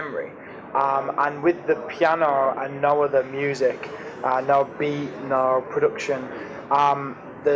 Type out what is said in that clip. liriknya benar benar terbang dan terdengar sangat indah